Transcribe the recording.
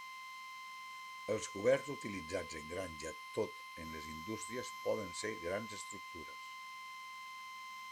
Els coberts utilitzats en granja tot en les indústries poden ser grans estructures.